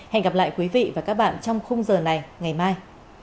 hẹn gặp lại quý vị và các bạn trong khung giờ này ngày mai